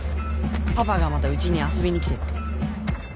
パパがまたうちに遊びに来てって。